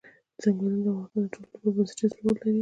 ځنګلونه د افغانستان د ټولنې لپاره بنسټيز رول لري.